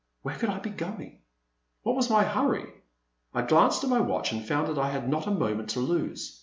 Where could I be going ? What was my hurry ? I glanced at my watch and found I had not a moment to lose.